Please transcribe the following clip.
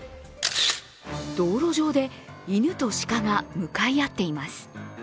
道路上で犬と鹿が向かい合っています。